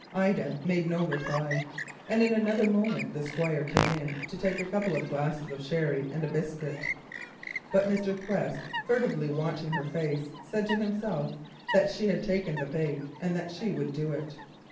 Ida made no reply, and in another moment the Squire came in to take a couple of glasses of sherry and a biscuit. But Mr. Quest, furtively watching her face, said to himself that she had taken the bait and that she would do it.